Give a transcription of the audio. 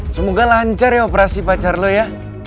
semoga lancar ya operasi pacar lo ya